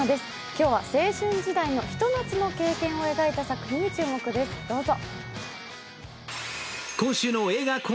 今日は青春時代のひと夏の経験を描いた作品に注目です、どうぞ。